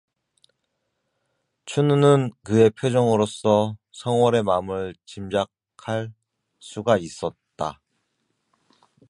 춘우는 그의 표정으로써 성월의 맘을 짐작 할 수가 있었다.